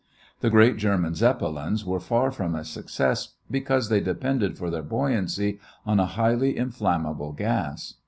The great German Zeppelins were far from a success because they depended for their buoyancy on a highly inflammable gas.